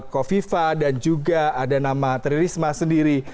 kofifa dan juga ada nama tririsma sendiri